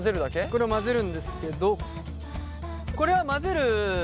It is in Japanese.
これを混ぜるんですけどこれは混ぜる